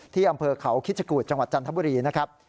อำเภอเขาคิชกูธจังหวัดจันทบุรีนะครับ